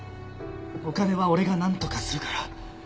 お金は俺がなんとかするから。